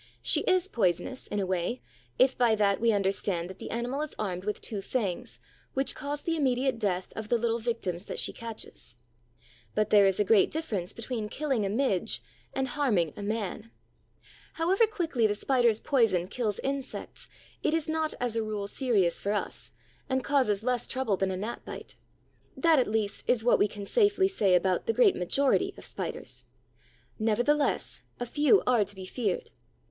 She is poisonous, in a way, if by that we understand that the animal is armed with two fangs which cause the immediate death of the little victims that she catches; but there is a great difference between killing a Midge and harming a Man. However quickly the Spider's poison kills insects, it is not as a rule serious for us and causes less trouble than a gnat bite. That, at least, is what we can safely say about the great majority of Spiders. Nevertheless, a few are to be feared.